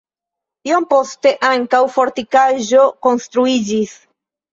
Iom poste ankaŭ fortikaĵo konstruiĝis.